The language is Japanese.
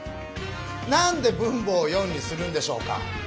なんで分母を４にするんでしょうか？